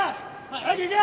早く行け！